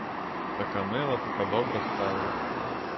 Така мила, така добра стала!